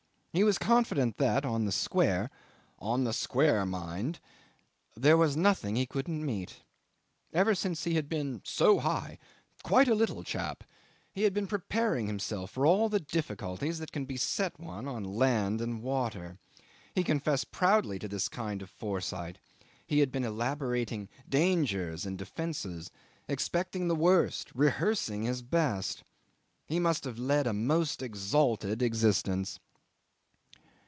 He was confident that, on the square, "on the square, mind!" there was nothing he couldn't meet. Ever since he had been "so high" "quite a little chap," he had been preparing himself for all the difficulties that can beset one on land and water. He confessed proudly to this kind of foresight. He had been elaborating dangers and defences, expecting the worst, rehearsing his best. He must have led a most exalted existence.